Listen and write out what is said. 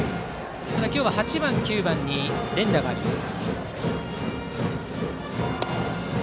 今日は８番、９番に連打があります。